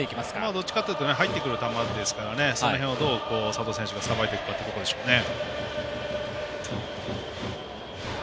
どっちかっていうと入ってくる球ですからその辺をどう佐藤選手がさばいていくかでしょうね。